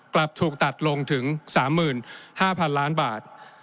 กลับถูกตัดลงถึง๓๕๐๐๐ล้านบาท